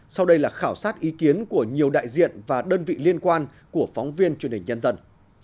sau đây là khảo sát ý kiến của nhiều đại diện và đơn vị liên quan của phóng viên truyền hình nhân dân